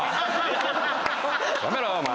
やめろよお前。